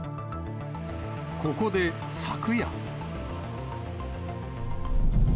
ここで昨夜。